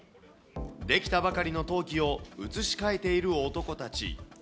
出来たばかりの陶器を移し替えている男たち。